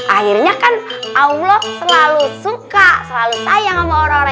akhirnya kan allah selalu suka selalu sayang sama orang orang